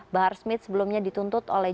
bahar smith sebelumnya dituntut oleh